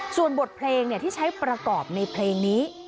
ส่วนบทเพลงที่ใช้ประกอบในเพลงนี้